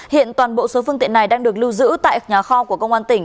hiện toàn bộ số phương tiện này đang được lưu giữ tại nhà kho của công an tỉnh